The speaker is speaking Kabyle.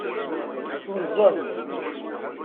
Tunzeḍ.